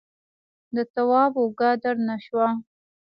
د تواب اوږه درنه شوه.